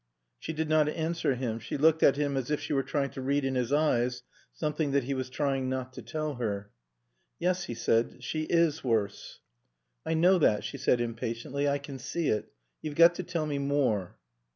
She did not answer him. She looked at him as if she were trying to read in his eyes something that he was trying not to tell her. "Yes," he said, "she is worse." "I know that," she said impatiently. "I can see it. You've got to tell me more."